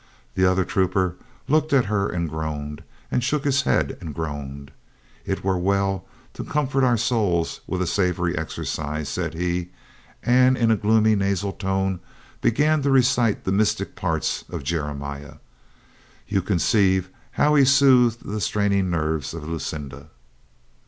The other trooper looked at her and groaned, and shook his head and groaned. "It were well to com fort our souls with a savory exercise," said he, and in a gloomy nasal tone began to recite the mystic parts of Jeremiah. You conceive how he soothed the straining nerves of Lucinda.